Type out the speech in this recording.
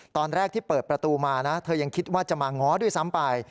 ตอนแรกที่เปิดประตูมานะเธอยังคิดว่าจะมาง้อด้วยซ้ำไป